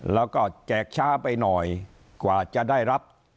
แล้วก็แจกช้าไปหน่อยกว่าจะได้รับ